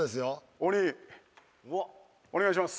鬼お願いします。